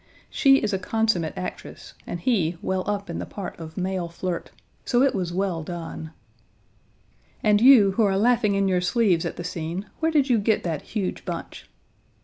She is a consummate actress and he well up in the part of male flirt. So it was well done. "And you, who are laughing in your sleeves at the scene, where did you get that huge bunch?"